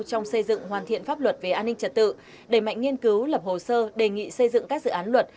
trong xây dựng hoàn thiện pháp luật về an ninh trật tự đẩy mạnh nghiên cứu lập hồ sơ đề nghị xây dựng các dự án luật